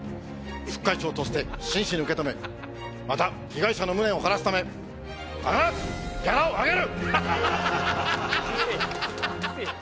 副会長として真摯に受け止めまた被害者の無念を晴らすため必ずギャラを上げる！